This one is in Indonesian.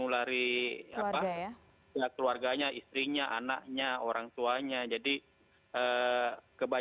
jadi saya sudah bebas